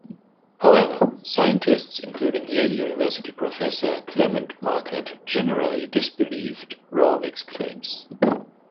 However, scientists including Yale University professor Clement Markert generally disbelieved Rorvik's claims.